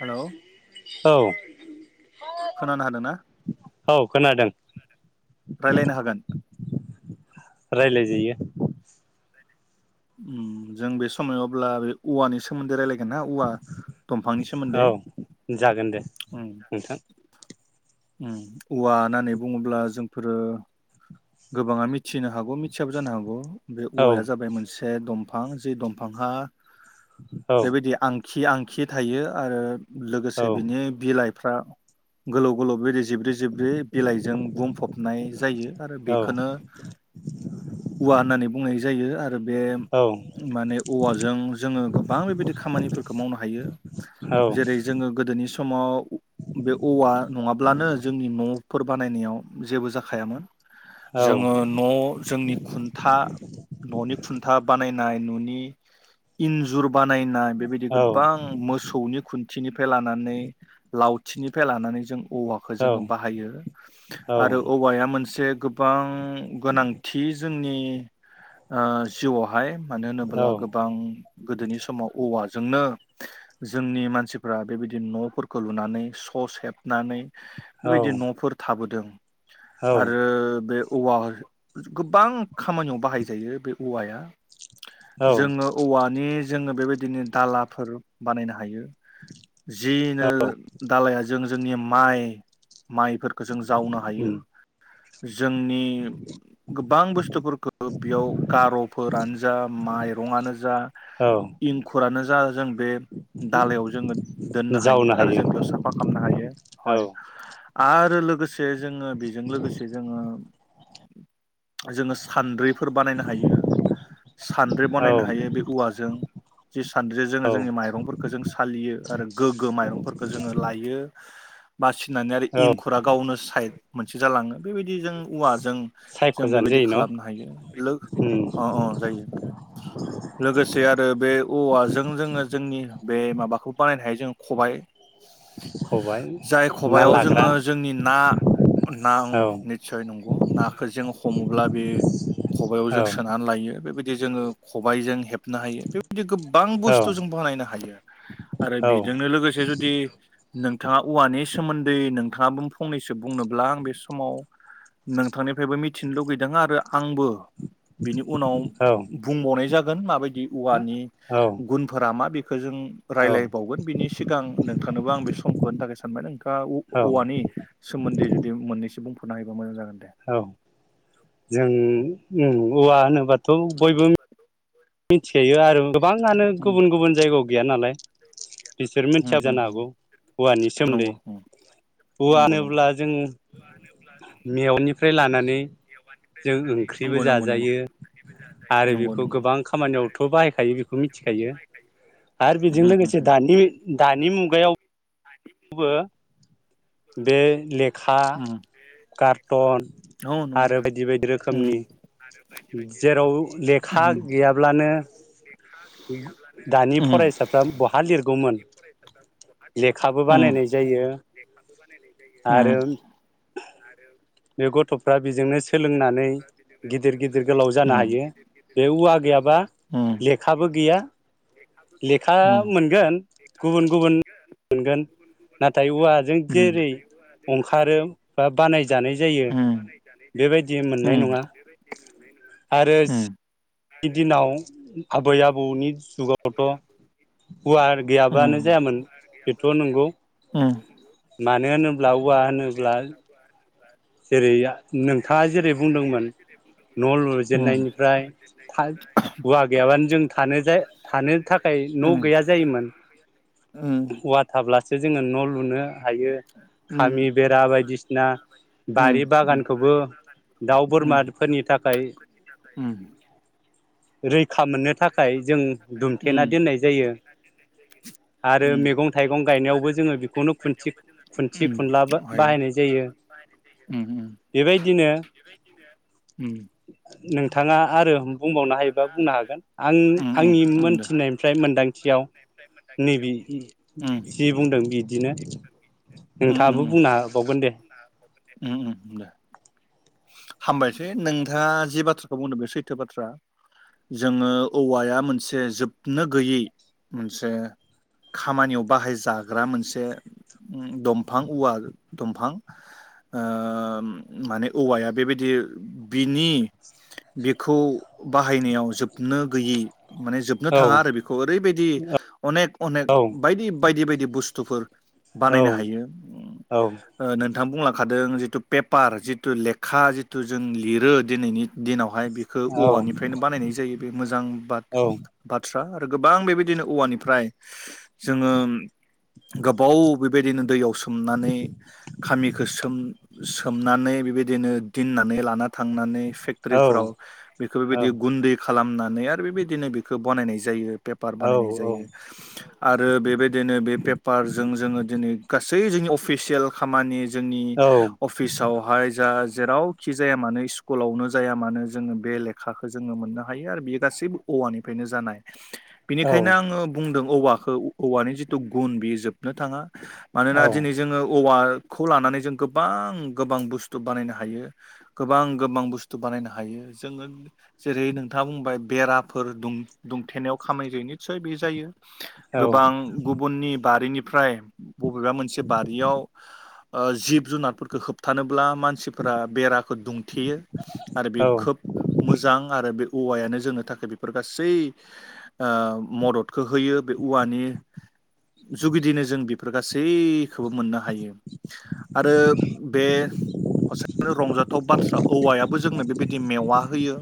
Hello औ खोनानो हादोंना औ खोनादों रायलायनो हागोन। रायलाय जायो। उ जों बे समायाव अब्ला बे औवानि सोमोन्दै रायलाय गोनना औवा दंफांनि सोमोन्दै औ जागोन दे उम। नोंथां उम औवा होननानै बुङोब्ला जोंफोरो गोबाङा मिथिनो हागौ मिथियाबो जानो हागौ। बे औ औवाया जाबाय मोनसे बे दंफां जि दंफाहा औ बेबायदि आं खि आंखि थायो आरो। औ लोगोसे बिनि बिलाइ फ्रा गोलाव गोलाव बेदि जिब्रै जिब्रै बिलाइजों बुंफबनाय जायो आरो औ खोनो औवा होननानै बुंनाय जायो आरो आरो बे औ माने औवाजों जोङो गोबां बेबायदि खामानिफोरखौ मावनो हायो औ जेरै जोङो गोदोनि सम समाव बे औवा नङाब्लानो जोंनि न'फोर बानायनायाव जेबो जाखायामोन औ जोङो न' जोंनि खुन्था न'नि खुन्था बानायनाय नु इन्जुर बानायनाय बेबायदि गोबां मोसौनि खुन्थिनिफ्राय लानानै लावथि थिनिफ्राय लानानै जों औवाखौ जोङो बाहायो आरो औवाया मोनसे गोबां गोनांथि जोंनि जिउआवहाय मानो होनोब्ला गोबां गोदोनि समाव औवाजों जोंनो जोंनि मानसिफ्रा बेबायदि न'फोरखौ लुनानै स' सेबनानै बेबायदि न'फोर थाबोदों। आरो बे औवा गोबां खामानियाव बाहायजायो बे औवाया औ जोङो औवानि जोङो बेबायदि बिदिनो दालाफोर बानायनो हायो। जिनो औ दालाया जों जोंनि माइ, माइफोरखौ जों जावनो हायो उम जोंनि गोबां बुस्थुफोरखौ बेयाव गार'फोरानो जा माइरंआनो जा औ इंखुरानो जा जों बे दालायाव जोङो दोननो हायो आरो जों बेयाव साफा खालामनो औ हायो। आरो लोगोसे जोङो बेजों लोगोसे अ' जोङो सानद्रिफोर बानायनो हायो सानद्रि औ बानायनो हायो बे औवाजों जि सान्द्रिजों जोङो औ जोंनि माइरंफोरखौ जों सालियो आरो गोग्गो माइरंफोरखौ जोङो लायो बासिनानै आरो औ इंखुरा गावनो साइड मोनसे जालांओ। जों औवाजों जों सायख'जानो बेबायदि जायो न' खालामनो हायो उम अ अ जायो लोगोसे आरो बे औवाजों जोङो जोंनि बे माबाखौ बानायनो हायो जोंङो खबाय खबाय जाय ना खबायाव लाग्रा जोङो जोंनि ना ना औ निसय नंगौ नाखो जों हमोब्ला बे खबायाव औ जों सोनानै लायो बेबायदि जोङो खबायजों हेब नो हायो बेबायदि गोबां औ बुस्थु जों बानायनो हायो आरो बेजोंनो लोगोसे जुदि नों थाङा औवानि सोमोन्दै नोंथाङा फंनैसो बुंनोब्ला आं बे समाव नोंथांनिफ्रायबो मिथिनो लुगैदों आरो आंबो बिनि उनाव बुंबावनाय जा गोन माबाय दि औवानि औ गुनफोरा मा बे खो जों रायलायबावगोन बिनि सिगां नोंथांनोबो आं बे समखौ होनो थाखाय सानबाय नोंथाङा ओ औ औवानि सोमोन्दै जुदि मोननैसो बुं नायबो मोजां जागोन औ जों ओम औवा होनोबाथ' बयबो मिथिखायो आरो गोबाङानो उम गुबुन गुबुन जायगायाव गैया नालाय बिसोर उम मिथियाबो उम जानो हागौ औवानि सोमोन्दै नंगौ उम औवा नंगौ नंगौ होनोब्ला जों मेवानिफ्राय लानानै जों ओंख्रिबो नंगौ नंगौ नंगौ जाजायो आरो नंगौ बेखौ नंगौ गोबां खा नियावथ' बाहायखायो बिखौ मिथिखायो आरो उम बेजों उम लोगोसे दानि-दानि मुगायाव बो बे लेखा उम कार्टन औ नंगौ आरो बायदि बायदि रोखोमनि उम जेराव लेखा उम गैयाब्लानो दानि उम फरायसाफ्रा बहा लिरगौमोन खाबो उम बानायनाय जायो उम आरो बे गथ'फ्रा बेजोंनो बे सोलोंनानै गथ'फ्रा बिदिनो गिदिर गिदिर सोलोंनानै गोलाव जानो ओम हायो गिदिर गिदिर बे गोलाव औवा जानो गैयाबा हायो ओम बे औव लेखाबो गैयाबा गैया लेखाबो गैया लेखा ओम मोनगोन लेखा गुबुन गुबुन मोनगोन मोनगोन गुबुन गुबुन नाथाय मोनगोन औवाजों ओ जेरै नाथाय [unintelligible] जानाय जायो बेबायदि मोननाय उम नङा आरो उम नि दिनाव आबै आबौनि जुगावथ' औवा गैयाबानो उम जायामोन बेथ' नंगौ हायो मानो होनोब्ला औवा [unintelligible] जेरैआ नोंथाङा जेरै बुंदोंमोन न' दे लुजेननायनिफ्राय था औवा गैयाबानो जों थानो जा थानो थाखाय न' गैया जायोमोन औवा थाब्ला सो जोङो न' लुनो हायो खामि बेरा बायदिसि ना बारि बागानखौबो दाउ बोरमाफोरनि थाखाय रैख खा मोननो थाखाय जों दुमथेना दोननाय जायो आरो मैगं थाइगं गायनायावबो जोङो बेखौनो खुन्थि खुन्थि खुनला बाहायनाय जायो। बेबायदिनो [inaudible] नोंथाङा आरो बुंबावनो हायोबा बुंनो हागोन आं आंनि मोनथिनायनिफ्राय मोनदांथियाव नैबे जि बुंदों बि उम हाबावगोन दे उम उम दे हामबायसै नोंथाङा जि बाथ्राखौ बुंदों बे सैथो बाथ्रा जोङो औवाया मोनसे जोबनो गैयै मोनसे खामानियाव बाहायजाग्रा मोनसे दंफां औवा दंफां माने औवाया बेबायदि बिनि बिखौ बाहायनायाव जोबनो गैयि माने जोबनो औ थाङा आरो बेखौ ओरैबायदि अनेक अनेक औ बायदि बायदि बायदि बुस्थुफोर औ बानायनो हायो थां बुंलखादों जिथु पेपार जि जिथु लेखा जिथु जों लिरो दिनैनि दिनाव खौहाय बिखो औ औवानिफ्रायनो बानाय जायो मोजां औ बाथ-बाथ्रा गोबां बेबादिनो औवानिफ्राय जोंङो गोबाव बेबादिनो दैयाव सोमनानै बे बिबायदिनो दोननानै लाना थांनानै औ फेक्टरिफोराव बेखौ बेबायदि गुन्दै खालामनानै आरो बेबायदिनो बेखौ बनायनाय जायो। पेपार बानायनाय जायो आरो बेबायदिनो बे पेपारजों जोङो दिनै ग गासै जोंनि अफिसियेल खामानि जोंनि अफिसावहाय जा जेरावखि जाया मानो स्कुलावनो जाया मानो जोङो बे लेखाखो जोङो मोननो हायो आरो बेयो गासैबो औवानिफ्रायनो जानाय। बेनिखायनो आङो बुंदों औवाखौ औवानि जिथु गुन बेयो जोबनो थाङा। मानोना दिनै जोङो औवाखौ लानानै जों गोबां गोबां बुस्थु थु बानायनो हायो गोबां गोबां बुस्थु बानायनो हायो जोङो जेरै नोंथाङा बुंबाय बेराफोर दुम-दुंथेनायाव खामानि जायो निसय बे जायो। गोबां गुबुननि बारिनि ओमफ्राय बबेबा मोनसे बारियाव ओ जिब जुनारफोरखौ होबथानो अब्ला मानसिफोरा बेराखौ दुंथेयो आरो बे खोब औ मोजां आरो बे औवायानो जोंनो थाखाय बेफोर गासै आ मदद होयो बे औवानि जुगिदिनो जों बे बेफोर गासै खौबो मोननो हायो आरो बे रंजाथाव बाथ्रा औवायाबो जोंनो बेबायदि मेवा होयो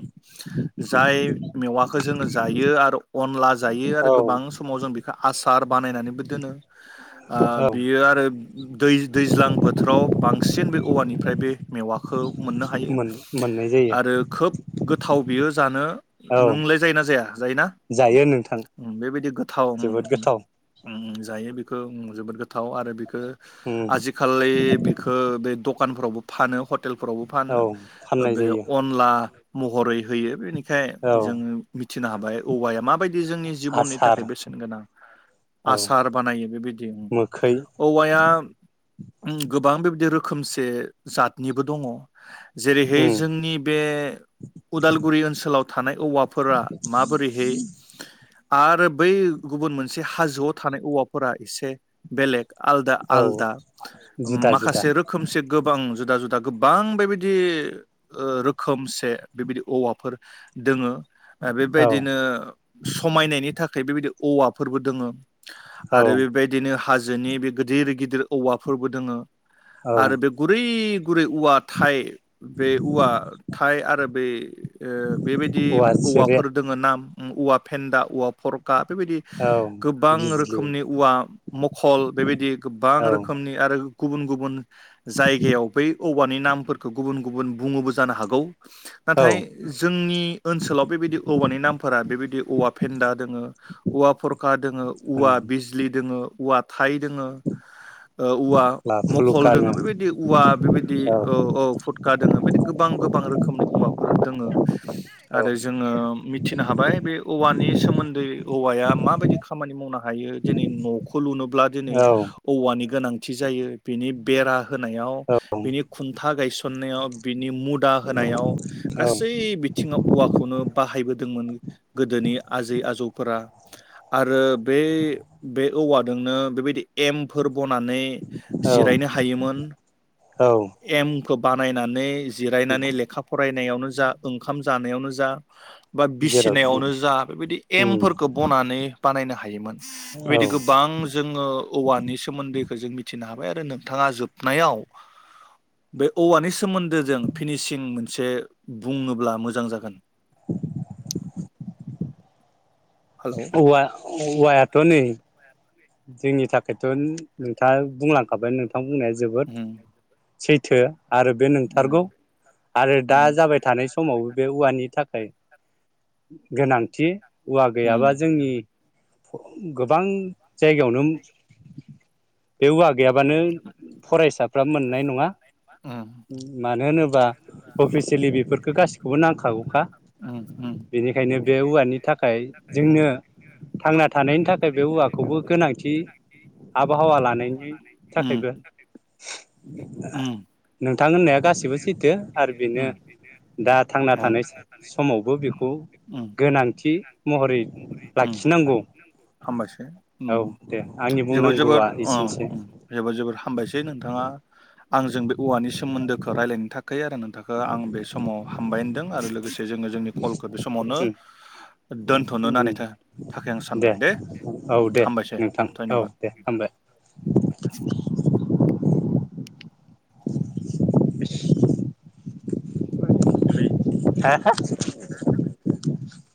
जाय मेवाखौ जोङो जायो आरो। अनला जायो आरो औ गोबां समाव जों बेखौ आसार बानायनानैबो दोनो ओ औ बेयो आरो दै दैज्लां बोथोराव बांसिन बे औवानि ओमफ्राय बे मेवाखौ मोननो हायो मोन मोननाय जायो आरो खोब थाव बियो जानो। औ नोंलाय जायोना जाया जायोना जायो नोंथां ओम बेबायदि गोथाव ओ जोबोद ओम गोथाव ओ जायो बेखौ ओ जोबोद गोथाव आरो बे खौ उम आजिखालि बेखौ बे दख दखानफोरावबो फानो हथ हटेलफोरावबो फानो औ ओ फाननाय बे जायो अनला महरै होयो बेनि बिखाय औ जोङो बि थिनो हाबाय औवाया माबायदि जोंनि जिबननि आसार थाखाय बेसेन गोनां औ आसार बानायो बेबायदि मोखै औवाया ओ गोबां बेबायदि रोखोम बे जातनिबो दङ जेरैहाय उम जोंनि बे उदालगुरि ओनसोलाव थानाय औवाफोरा माबोरैहाय आरो बै गुबुन मोनसे हाजोआव थानाय औवाफोरा एसे बेलेग आलदा औ आलदा जुदा जुदा माखासे रोखोमसे गोबां जुदा जुदा गोबां बेबायदि रोखोमसे बेबायदि औवाफोर दोङो। औ बेबायदिनो समायनायनि थाखाय बेबायदि औवाफोरबो दोङो। औ आरो बेबायदिनो हाजोनि बे गिदिर गिदिर औवाफोरबो दोङो। औ आरो बे बै गुरै औवा थाइ बे औवा थाइ आरो बे ओ बेबायदि औवा सिरे औवाफोर दोङो नाम औवा फेन्दा औवा फरखा बेबायदि औ गोबां बिजलि रोखोमनि औवा मखल बेबायदि गोबां औ रोखोमनि आरो गुबुन गुबुन जायगायाव बै औवानि नामफोरखौ गुबुन गुबुन बुङोबो जानो हागौ। औ नाथाय जोंनि ओनसोलाव बेबायदि औवानि नामफोरा बेबायदि औवा फेन्दा दोङो औवा फरखा दोङो औवा बिजलि दोङो औवा थाइ दोङो ओ औवा मखल लाफुलुखा दोङो बेबाय औवा बेबायदि औ औ फुटखा दोङो बेबायदि गोबां गोबां रोखोमनि औवाफोर दोङो औ आरो जोङो मिथिनो हाबाय बे औवानि सोमोन्दै औवाया माबायदि खामानि मावनो होयो दिनै न'खौ लुनोबोब्ला दिनै औ औ औवानि गोनांथि जायो बिनि बेरा होनायाव बिनि खुन्था गायसननायाव बिनि मुदा होनायाव गासै औ बिथिङाव औवाखौनो बाहायबोदोंमोन गोदोनि आजै आजौफोरा। आरो बे बे औवा जोंनो बेबायदि एमफोर बनानै जिरायनो औ हायोमोन। औ एम खौ बानायनानै जो जिरायनानै लेखा फराय नायावनो जा ओंखाम जानायावनो जा बा जेरावखि बिसिनायावनो जा बेबायदि एमफोरखौ बनानै बानायनो हायोमोन औ बेबायदि गोबां जोङो औवानि सोमोन्दैखौ जों मिथिनो हा बाय आरो नोंथाङा जोब नायाव बे औवानि सोमोन्दो जों फिनिसिं मोनसे बुङोब्ला मोजां जागोन। हेलौ औवा औवायाथ' नै जोंनि थाखायथन नोंथाङा बुंलांखाबाय नों थां बुंनाया जोबोद उम सैथो। आरो बे उम नोंथारगौ आरो दा जाबाय थानाय समावबो बे उवानि था खाय गोनांथि। औवा उम गैयाबा जोंनि गोबां जायगायावनो बे उवा गैयाबानो फरायसा फ्रा मोननाय नङा उम मानो होनोबा अफिसियेलि बेफोरखो गासिखोबो नांखागौखा उम उम बेनिखायनो बे औवानि थाखाय जोंनो थांना थानायनि थाखाय बे औवा खौबो गोनांथि आबहावा लानायनि उम थाखायबो। उम नोंथां। गासैबो सैथो आरो बेनो उम दा थांना थानाय समावबो बेखौ उम गोनांथि महरै लाखिनांगौ। ओम औ दे आंनि जोबोद जोबोद बुंनांगौआ ओ एसेनोसै जोबोद जोबोद हामबायसै नोंथाङा आंजों बे औवानि सो सोमोन्दोखौ रायलायनो थाखै आरो नों दाखो आं बे समाव हामबाय होनदों आरो लोगोसे जोङो जोंनि कलखो बे समावनो उम दोनथ'नो होननाय उम थाखाय आं सानबाय दे औ दे हामबायसै नोंथां औ दे धन्यबाद। ओमफ्राय हे। [inaudible]